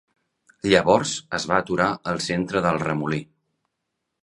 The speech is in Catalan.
Llavors es va aturar al centre del remolí.